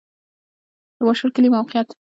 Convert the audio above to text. د واشر کلی موقعیت